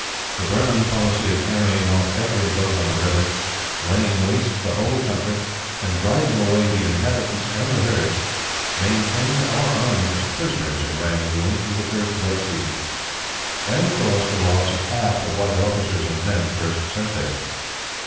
The Burman policy of carrying off every boat on the river, laying waste the whole country, and driving away the inhabitants and the herds, maintained our army as prisoners in Rangoon through the first wet season; and caused the loss of half the white officers and men first sent there.